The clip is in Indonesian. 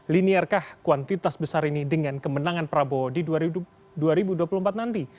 linearkah kuantitas besar ini dengan kemenangan prabowo di dua ribu dua puluh empat nanti